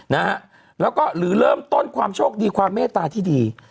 นะฮะแล้วก็หรือเริ่มต้นความโชคดีความเมตตาที่ดี